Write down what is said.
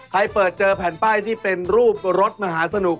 ใครเปิดแผ่นป้ายที่เป็นรูปมหาลบสนุก